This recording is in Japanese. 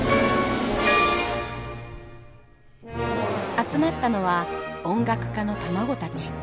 集まったのは音楽家の卵たち。